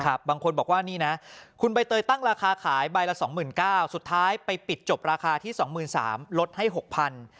บางคนบอกว่านี่นะคุณใบเตยตั้งราคาขายใบละ๒๙๐๐สุดท้ายไปปิดจบราคาที่๒๓๐๐ลดให้๖๐๐บาท